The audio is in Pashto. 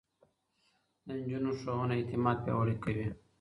د نجونو ښوونه اعتماد پياوړی کوي.